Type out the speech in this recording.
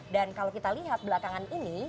dan kalau kita lihat belakangan ini